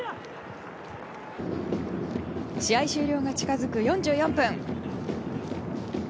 試合終了が近づく４４分。